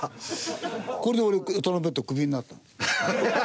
これで俺トランペットクビになったの。